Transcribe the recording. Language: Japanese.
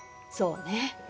そうね。